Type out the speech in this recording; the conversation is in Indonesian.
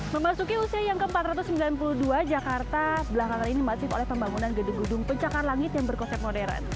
memasuki usia yang ke empat ratus sembilan puluh dua jakarta belakangan ini masif oleh pembangunan gedung gedung pencakar langit yang berkonsep modern